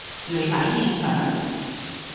你喺現場？